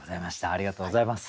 ありがとうございます。